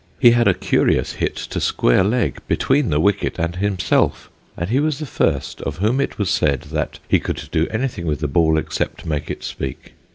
He had a curious hit to square leg between the wicket and himself, and he was the first of whom it was said that he could do anything with the ball except make it speak.